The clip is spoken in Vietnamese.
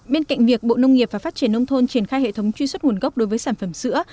bên cạnh việc bộ nông nghiệp và phát triển nông thôn triển khai hệ thống truy xuất nguồn gốc đối với sản phẩm sữa